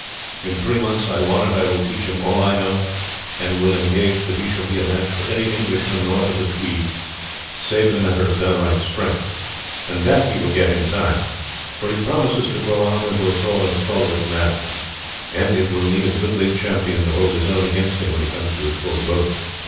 In three months I warrant I will teach him all I know, and will engage that he shall be a match for any Englishman north of the Tweed, save in the matter of downright strength; that he will get in time, for he promises to grow out into a tall and stalwart man, and it will need a goodly champion to hold his own against him when he comes to his full growth."